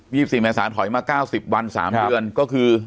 สิบสี่เมษาถอยมาเก้าสิบวันสามเดือนก็คือ